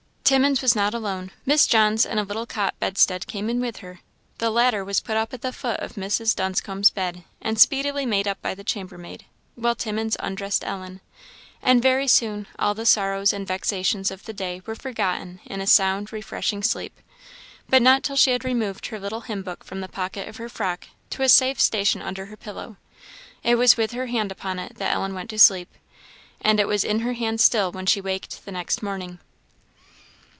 Timmins was not alone Miss Johns and a little cot bedstead came in with her. The latter was put at the foot of Mrs. Dunscombe's bed, and speedily made up by the chambermaid, while Timmins undressed Ellen; and very soon all the sorrows and vexations of the day were forgotten in a sound, refreshing sleep; but not till she had removed her little hymn book from the pocket of her frock to a safe station under her pillow; it was with her hand upon it that Ellen went to sleep; and it was in her hand still when she was waked the next morning.